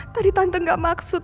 tadi tante gak maksud